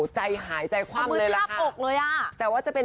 ใจหายใจคว่ำเลยแล้วค่ะมือทรัพย์อกเลยอ่ะแต่ว่าจะเป็น